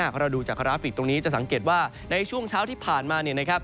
พอเราดูจากกระฟิกตรงนี้จะสังเกตว่าในช่วงเช้าที่ผ่านมา